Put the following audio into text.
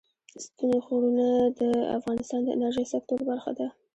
ستوني غرونه د افغانستان د انرژۍ سکتور برخه ده.